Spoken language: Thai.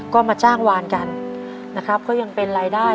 ก็มาจ้างวานกันนะครับก็ยังเป็นรายได้